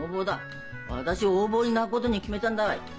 私横暴になることに決めたんだわい！